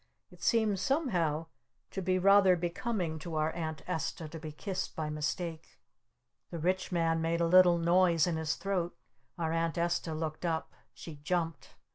It seemed somehow to be rather becoming to our Aunt Esta to be kissed by mistake. The Rich Man made a little noise in his throat. Our Aunt Esta looked up. She jumped.